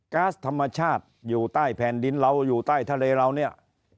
๊าซธรรมชาติอยู่ใต้แผ่นดินเราอยู่ใต้ทะเลเราเนี่ย